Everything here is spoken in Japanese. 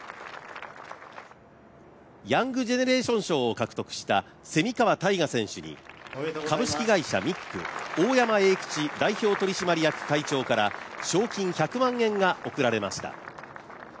ヤングジェネレーション賞を獲得した蝉川泰果選手に株式会社ミック・代表取締役会長から賞金１００万円が贈られました。